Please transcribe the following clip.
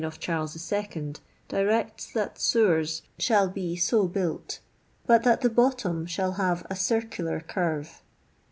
of Charles IL directs that sewers shall be so built, but that the ' bottom shall have a cireular curve.